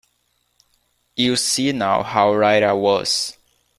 You see now how right I was.